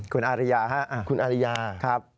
คุณอาริยาครับคุณอาริยาครับ